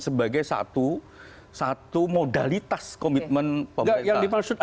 sebagai satu modalitas komitmen pemerintah